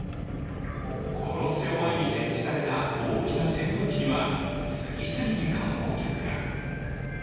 コロッセオ前に設置された大きな扇風機には次々に観光客が。